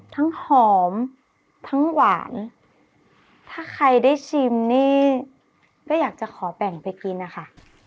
หอมทั้งหวานถ้าใครได้ชิมนี่ก็อยากจะขอแบ่งไปกินนะคะ